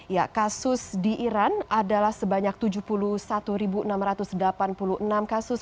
ya kasus di iran adalah sebanyak tujuh puluh satu enam ratus delapan puluh enam kasus